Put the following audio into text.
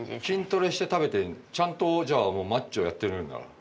筋トレして食べてちゃんとじゃあもうマッチョをやってるんだ。